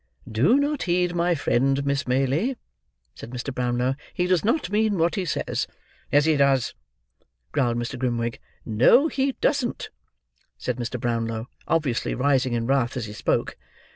"Do not heed my friend, Miss Maylie," said Mr. Brownlow; "he does not mean what he says." "Yes, he does," growled Mr. Grimwig. "No, he does not," said Mr. Brownlow, obviously rising in wrath as he spoke.